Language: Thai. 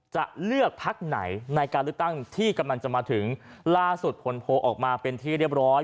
จะเลือกพักไหนในการเลือกตั้งที่กำลังจะมาถึงล่าสุดผลโพลออกมาเป็นที่เรียบร้อย